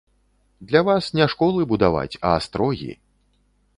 Для вас не школы будаваць, а астрогі!